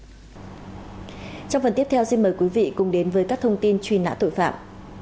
trong phần tiếp theo xin mời quý vị cùng đến với các thông tin truy nã tội phạm